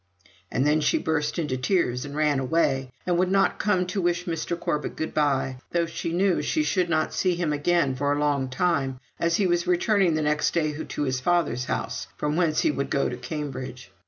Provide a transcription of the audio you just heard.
And then she burst into tears and ran away, and would not come to wish Mr. Corbet good bye, though she knew she should not see him again for a long time, as he was returning the next day to his father's house, from whence he would go to Cambridge.